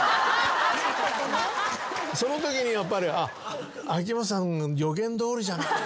そのときにやっぱり「秋元さんの予言どおりじゃない」